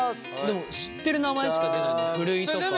でも知ってる名前しか出ないね。